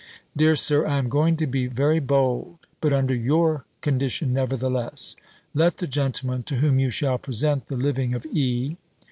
Dear Sir, I am going to be very bold; but under your condition nevertheless: let the gentleman, to whom you shall present the living of E.